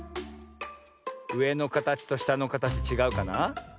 うえのかたちとしたのかたちちがうかな。